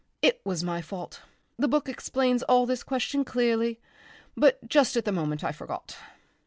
It was my fault. The book explains all this question clearly, but just at the moment I forgot."